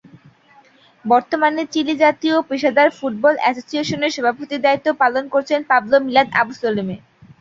বর্তমানে চিলি জাতীয় পেশাদার ফুটবল অ্যাসোসিয়েশনের সভাপতির দায়িত্ব পালন করছেন পাবলো মিলাদ আবুসলেমে।